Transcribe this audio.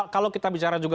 kalau kita bicara juga